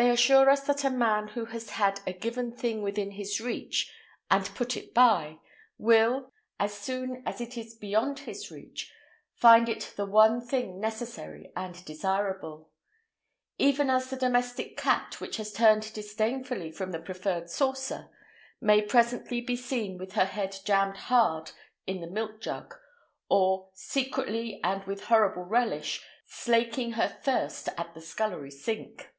They assure us that a man who has had a given thing within his reach and put it by, will, as soon as it is beyond his reach, find it the one thing necessary and desirable; even as the domestic cat which has turned disdainfully from the preferred saucer, may presently be seen with her head jammed hard in the milk jug, or, secretly and with horrible relish, slaking her thirst at the scullery sink.